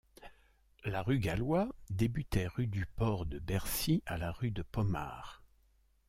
La rue Gallois débutait rue du Port-de-Bercy à la rue de Pommard.